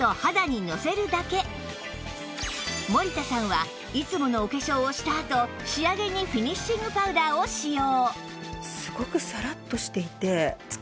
森田さんはいつものお化粧をしたあと仕上げにフィニッシングパウダーを使用